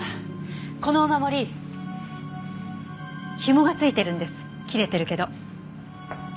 このお守りひもが付いてるんです切れてるけど。